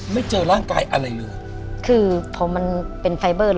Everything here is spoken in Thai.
ไม่เจอร่างกายอะไรเลยคือพอมันเป็นไฟเบอร์แล้ว